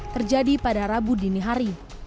terjadi pada rabu dini hari